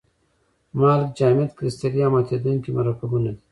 مالګې جامد کرستلي او ماتیدونکي مرکبونه دي.